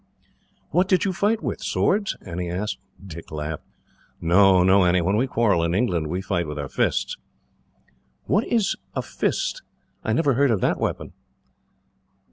"What did you fight with swords?" Annie asked. Dick laughed. "No, no, Annie, when we quarrel in England we fight with our fists." "What is a fist? I never heard of that weapon."